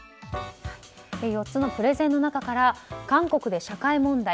４つのプレゼンの中から韓国で社会問題